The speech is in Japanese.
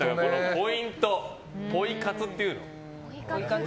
ポイント、ポイ活っていうの？